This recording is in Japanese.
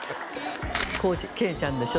桂ちゃんでしょ